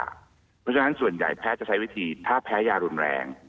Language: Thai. เพราะฉะนั้นส่วนใหญ่แพทย์จะใช้วิธีถ้าแพ้ยารุนแรง